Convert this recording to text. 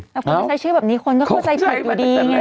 แล้วคุณก็ใช้ชื่อแบบนี้คุณก็เข้าใจผิดอยู่ดี